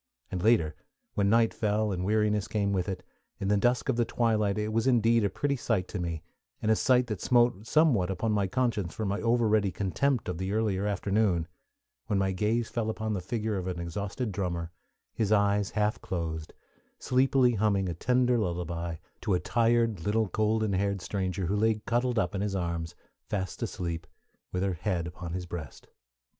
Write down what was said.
And later, when night fell, and weariness came with it, in the dusk of the twilight it was indeed a pretty sight to me, and a sight that smote somewhat upon my conscience for my over ready contempt of the earlier afternoon, when my gaze fell upon the figure of an exhausted drummer, his eyes half closed, sleepily humming a tender lullaby to a tired little golden haired stranger who lay cuddled up in his arms, fast asleep, with her head upon his breast. [Illustration: "It was indeed a pretty sight to me!"